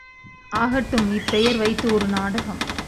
ஆகட்டும், இப்பெயர் வைத்து ஒரு நாடகம்.